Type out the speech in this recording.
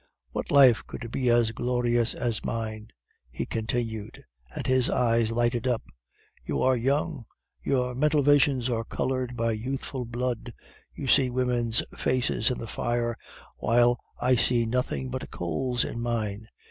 "'What life could be as glorious as mine?' he continued, and his eyes lighted up. 'You are young, your mental visions are colored by youthful blood, you see women's faces in the fire, while I see nothing but coals in mine.